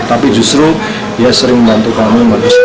tapi justru dia sering membantu kami